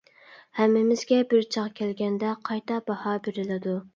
ھەممىمىزگە بىر چاغ كەلگەندە قايتا باھا بېرىلىدۇ.